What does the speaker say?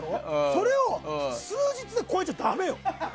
それを数日で超えちゃダメよ。